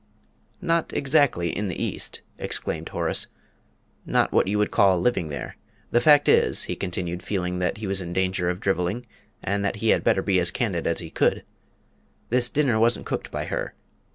"Not exactly in the East," exclaimed Horace; "not what you would call living there. The fact is," he continued, feeling that he was in danger of drivelling, and that he had better be as candid as he could, "this dinner wasn't cooked by her.